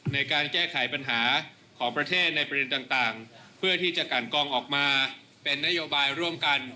ในการแก้ไขปัญหาของประเทศในประเด็นต่างเพื่อที่จะกันกองออกมาเป็นนโยบายร่วมกัน